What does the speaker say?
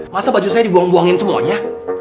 masa baju saya diguang guangin semuanya